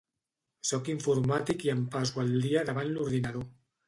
Soc informàtic i em passo el dia davant l'ordinador.